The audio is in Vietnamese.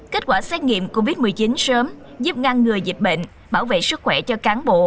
kết quả xét nghiệm covid một mươi chín sớm giúp ngăn ngừa dịch bệnh bảo vệ sức khỏe cho cán bộ